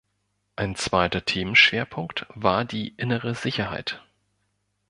Ein zweiter Themenschwerpunkt war die innere Sicherheit.